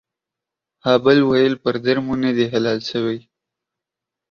ها بل ويل پر در مو ندي حلال سوى.